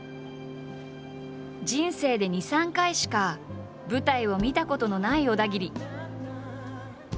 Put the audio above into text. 人生で２３回しか舞台を見たことのない小田切。